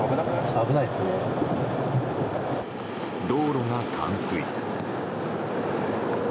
道路が冠水。